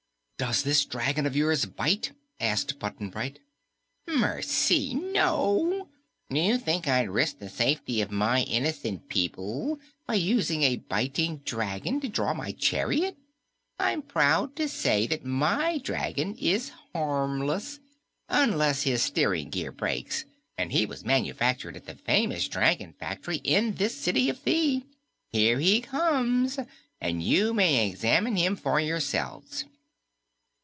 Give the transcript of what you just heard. "Does this dragon of yours bite?" asked Button Bright. "Mercy no! Do you think I'd risk the safety of my innocent people by using a biting dragon to draw my chariot? I'm proud to say that my dragon is harmless, unless his steering gear breaks, and he was manufactured at the famous dragon factory in this City of Thi. Here he comes, and you may examine him for yourselves."